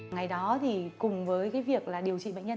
ngày đó thì cùng với việc là điều trị bệnh nhân